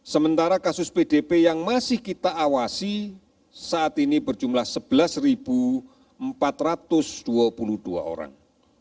sementara kasus pdp yang masih kita awasi saat ini berjumlah sebelas empat ratus dua puluh dua orang